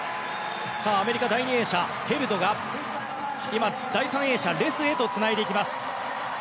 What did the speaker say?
アメリカ第２泳者のヘルドが第３泳者、レスへとつなげていきました。